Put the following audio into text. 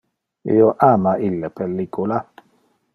Io ama ille pellicula.